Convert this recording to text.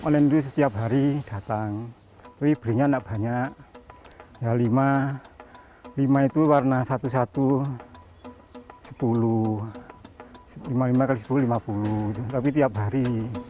ini online itu setiap hari datang tapi belinya enak banyak lima itu warna satu satu lima puluh tapi tiap hari